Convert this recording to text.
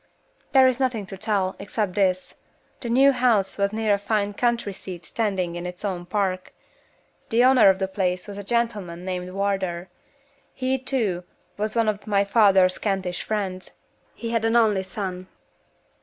"There is nothing to tell, except this: the new house was near a fine country seat standing in its own park. The owner of the place was a gentleman named Wardour. He, too, was one of my father's Kentish friends. He had an only son."